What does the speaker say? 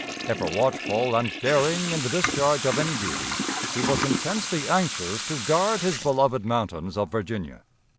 Ever watchful and daring in the discharge of any duty, he was intensely anxious to guard his beloved mountains of Virginia.